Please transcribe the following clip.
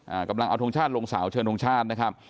อ่ากำลังเอาทรงชาติโรงเสาเชิญโรงชาตินะครับ